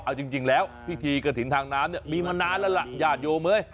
เอาจริงแล้วพิธีกฐินทางน้ำมีมานานแล้วล่ะญาติโยม